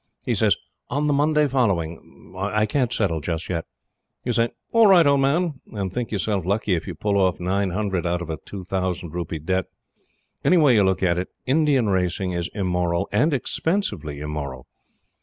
He says, "on the Monday following, I can't settle just yet." You say, "All right, old man," and think your self lucky if you pull off nine hundred out of a two thousand rupee debt. Any way you look at it, Indian racing is immoral, and expensively immoral.